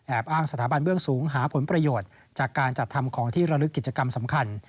อ้างสถาบันเบื้องสูงหาผลประโยชน์จากการจัดทำของที่ระลึกกิจกรรมสำคัญ